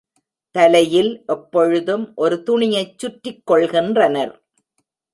தலையில் எப்பொழுதும் ஒரு துணியைச் சுற்றிக் கொள்கின்றனர்.